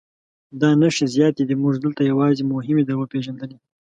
دا نښې زیاتې دي موږ دلته یوازې مهمې در وپېژندلې.